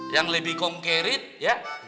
yang lebih konkret ya